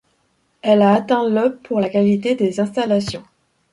Elle a atteint le pour la qualité des installations.